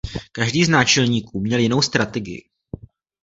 Každý z náčelníků měl jinou strategii.